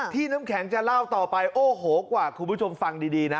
น้ำแข็งจะเล่าต่อไปโอ้โหกว่าคุณผู้ชมฟังดีนะ